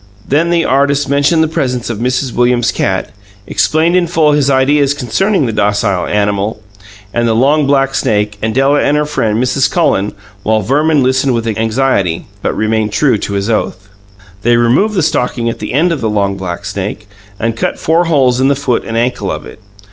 Then the artist mentioned the presence of Mrs. Williams's cat, explained in full his ideas concerning the docile animal, and the long black snake, and Della and her friend, Mrs. Cullen, while Verman listened with anxiety, but remained true to his oath. They removed the stocking at the end of the long black snake, and cut four holes in the foot and ankle of it.